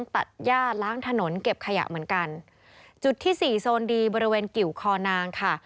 ตัดย่าล้างถนนเก็บขยะเหมือนกันจุดที่สี่โซนดีบริเวณกิวคอนางค่ะ